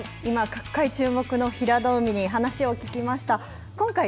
今、角界注目の平戸海の話を聞きました。